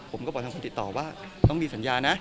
ผมก็บอกทางคนติดต่อว่าต้องมีสัญญานะ